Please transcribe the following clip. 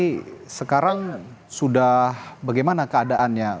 bapak bupati sekarang sudah bagaimana keadaannya